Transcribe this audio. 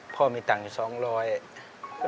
พ่อมีตังค์อยู่๒๐๐บาท